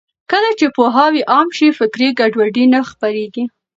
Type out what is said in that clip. کله چې پوهاوی عام شي، فکري ګډوډي نه خپرېږي.